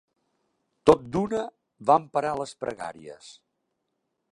Tot d'una, van parar les pregàries.